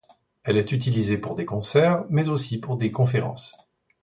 Elle est utilisée pour des concerts, mais aussi pour des conférences.